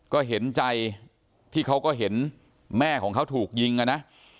ก็เห็นใจที่เขาก็เห็นแม่ของเขาถูกยิงอ่ะนะ